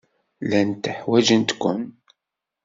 Llant ḥwajent-ken.